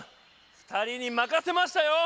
２人にまかせましたよ！